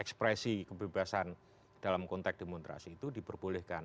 ekspresi kebebasan dalam konteks demonstrasi itu diperbolehkan